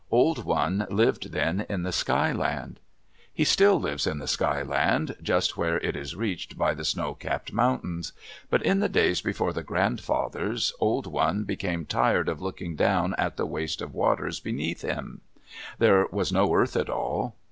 Old One lived then in the Sky Land. He still lives in the Sky Land, just where it is reached by the snow capped mountains. But in the days before the grandfathers, Old One became tired of looking down at the waste of waters beneath him. There was no earth at all.